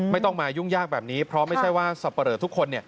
ไม่ต้องมายุ่งยากแบบนี้เพราะไม่ใช่ว่าสับปะเลอทุกคน